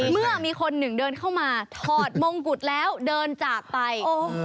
เมื่อมีคนหนึ่งเดินเข้ามาถอดมงกุฎแล้วเดินจากไป